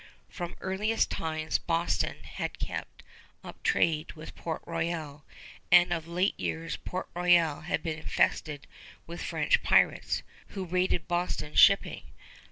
From earliest times Boston had kept up trade with Port Royal, and of late years Port Royal had been infested with French pirates, who raided Boston shipping.